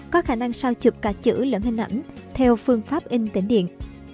có khả năng sao chụp cả chữ lẫn hình ảnh theo phương pháp in tỉnh điện